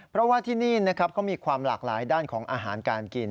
เพราะว่าที่นี่นะครับเขามีความหลากหลายด้านของอาหารการกิน